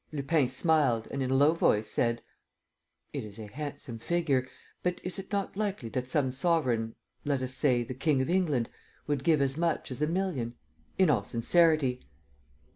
Lupin smiled and, in a low voice, said: "It is a handsome figure. But is it not likely that some sovereign, let us say, the King of England, would give as much as a million? In all sincerity?"